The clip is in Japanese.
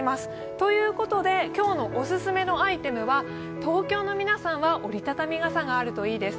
ということで、今日のお勧めのアイテムは東京の皆さんは折り畳み傘があるといいです。